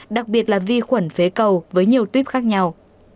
đặc biệt là vi khuẩn phế cầu với nhiều tuyếp khác nhau